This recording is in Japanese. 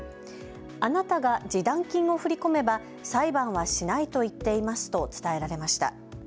あなたが示談金を振り込めば裁判はしないと言っていますと伝えられました。